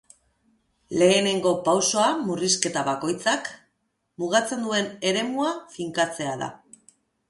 Lehenengo pausoa murrizketa bakoitzak mugatzen duen eremua finkatzea da.